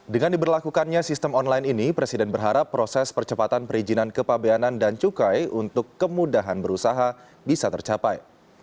dengan diberlakukannya sistem online ini presiden berharap proses percepatan perizinan kepabeanan dan cukai untuk kemudahan berusaha bisa tercapai